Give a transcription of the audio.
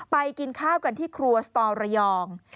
กินข้าวกันที่ครัวสตอระยอง